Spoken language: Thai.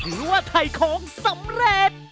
ถือว่าไถ่ของสำเร็จ